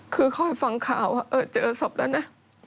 คือคอยฟังข่าวว่าเจอศพแล้วนะ